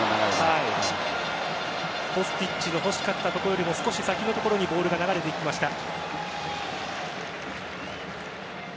コスティッチが欲しかったところよりも少し先のところにボールが流れていきました。